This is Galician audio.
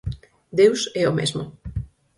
Deus é o mesmo.